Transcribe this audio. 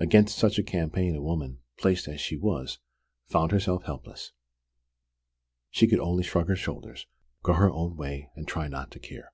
Against such a campaign a woman, placed as she was, found herself helpless. She could only shrug her shoulders, go her own way, and try not to care!